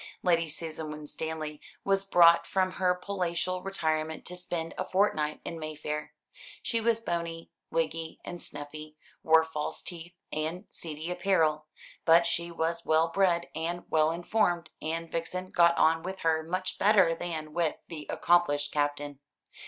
Lady Susan Winstanley was brought from her palatial retirement to spend a fortnight in Mayfair. She was bony, wiggy, and snuffy; wore false teeth and seedy apparel; but she was well bred and well informed, and Vixen got on with her much better than with the accomplished Captain.